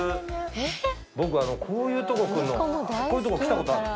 僕こういうとこ来るのこういうとこ来た事ある？